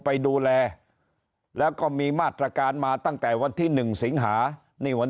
ไปดูแลแล้วก็มีมาตรการมาตั้งแต่วันที่๑สิงหานี่วัน